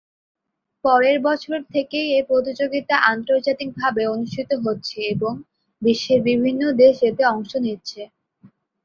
পরের বছর থেকেই এ প্রতিযোগিতা আন্তর্জাতিক ভাবে অনুষ্ঠিত হচ্ছে এবং বিশ্বের বিভিন্ন দেশ এতে অংশ নিচ্ছে।